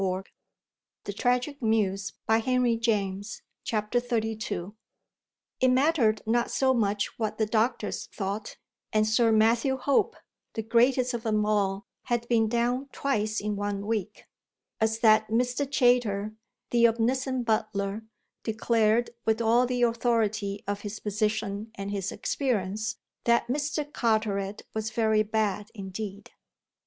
For then something came out. BOOK SIX XXXII It mattered not so much what the doctors thought and Sir Matthew Hope, the greatest of them all, had been down twice in one week as that Mr. Chayter, the omniscient butler, declared with all the authority of his position and his experience that Mr. Carteret was very bad indeed.